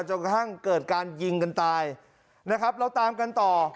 จนกระทั่งเกิดการยิงกันตายนะครับเราตามกันต่อ